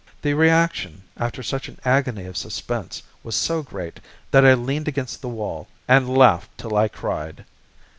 The reaction after such an agony of suspense was so great, that I leaned against the wall, and laughed till I cried.